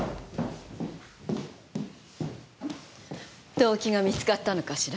動機が見つかったのかしら？